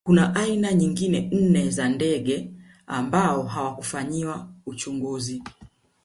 Kuna aina nyingine nne za ndege ambao hawakufanyiwa uchunguzi